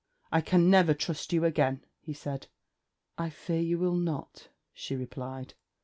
'I can never trust you again,' he said. 'I fear you will not,' she replied.